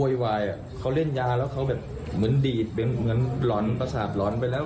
วายเขาเล่นยาแล้วเขาแบบเหมือนดีดเหมือนหล่อนประสาทหลอนไปแล้ว